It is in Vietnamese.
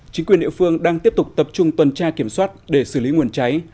chính quyền địa phương đang tiếp tục tập trung tuần tra kiểm soát để xử lý nguồn cháy